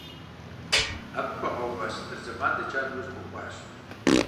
Абы хуагъэува сыныр зэман дэкӀа нэужь гуэхуащ.